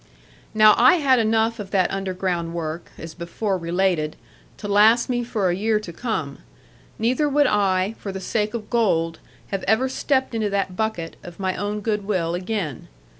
Now I had enough of that underground work, as before related, to last me for a year to come; neither would I, for sake of gold, have ever stepped into that bucket, of my own goodwill again.